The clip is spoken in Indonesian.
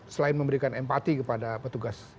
selain memberikan empati kepada petugas